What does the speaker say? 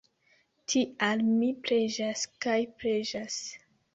Tial mi preĝas kaj preĝas!